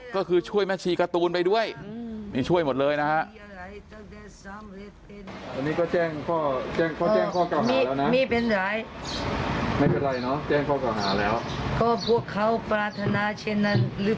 ก็พวกเขาปรารถนาเช่นนั้นหรือเปล่า